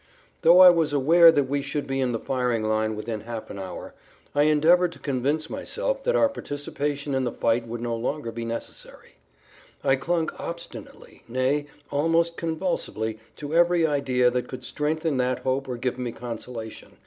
Though I was aware that we should be in the firing line within half an hour, I endeavored to convince myself that our participation in the fight would no longer be necessary. I clung obstinately, nay, almost convulsively to every idea that could strengthen that hope or give me consolation.